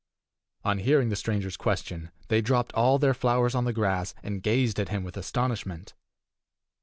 On hearing the stranger's question, they dropped all their flowers on the grass, and gazed at him with astonishment.